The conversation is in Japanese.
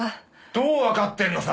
どうわかってんのさ！？